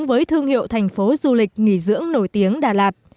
với thương hiệu thành phố du lịch nghỉ dưỡng nổi tiếng đà lạt